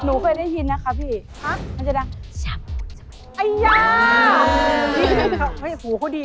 หนูเคยได้ยินนะคะพี่